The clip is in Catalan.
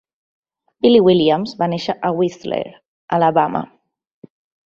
Billy Williams va néixer a Whistler, Alabama.